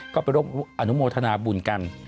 ก็ไปร่วมอนุโมทนาบุญกัน